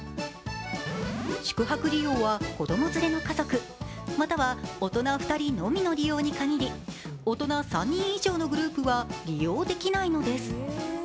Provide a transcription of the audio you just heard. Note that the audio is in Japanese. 宿泊利用は子供連れの家族、または大人２人のみの利用に限り、大人３人以上のグループは利用できないのです。